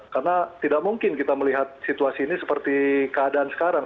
karena tidak mungkin kita melihat situasi ini seperti keadaan sekarang